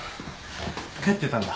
帰ってたんだ。